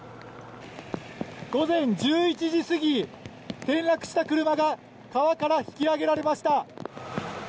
午前１１時過ぎ転落した車が川から引き揚げられました。